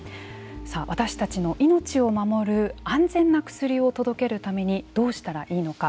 さあ、私たちの命を守る安全な薬を届けるためにどうしたらいいのか。